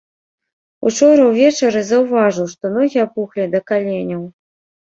Учора ўвечары заўважыў, што ногі апухлі да каленяў.